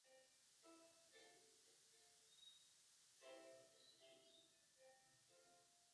万历四十年壬子科广东乡试第一名举人。